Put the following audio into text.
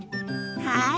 はい。